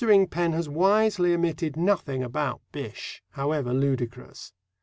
Ingpen has wisely omitted nothing about Bysshe, however ludicrous.